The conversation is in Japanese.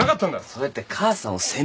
そうやって母さんを責めるなよ。